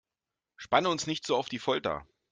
Spanne uns nicht so auf die Folter!